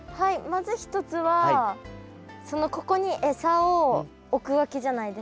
まず１つはここに餌を置くわけじゃないですか。